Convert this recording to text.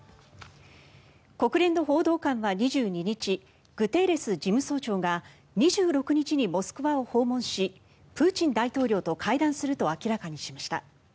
国連の報道官は２２日グテーレス事務総長が２６日にモスクワを訪問しプーチン大統領と会談すると明らかにしました。